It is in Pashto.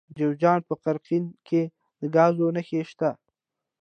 د جوزجان په قرقین کې د ګازو نښې شته.